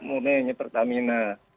murni hanya pertamina